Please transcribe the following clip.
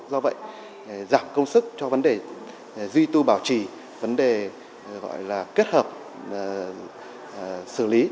do vậy giảm công sức cho vấn đề duy tu bảo trì vấn đề kết hợp xử lý